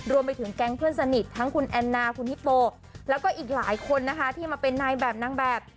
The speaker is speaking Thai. รวมไปถึงแก๊งเพื่อนสนิททั้งคุณแอนนาคุณฮิปโปแล้วก็อีกหลายคนนะคะที่มาเป็นนายแบบนางแบบ